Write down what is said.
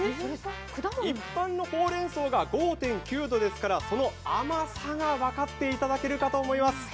一般のほうれん草が５．９度ですから、その甘さが分かっていただけると思います。